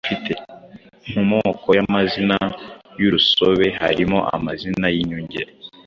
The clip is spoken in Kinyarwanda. Mu moko y’amazina y’urusobe harimo amazina y’inyunge,